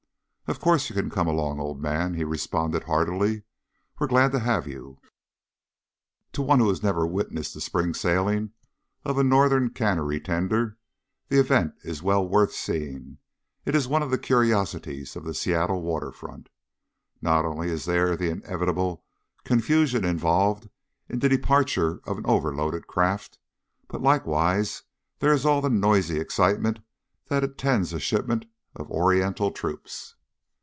"Of course you can come along, old man," he responded, heartily. "We're glad to have you." To one who has never witnessed the spring sailing of a Northern cannery tender, the event is well worth seeing; it is one of the curiosities of the Seattle water front. Not only is there the inevitable confusion involved in the departure of an overloaded craft, but likewise there is all the noisy excitement that attends a shipment of Oriental troops.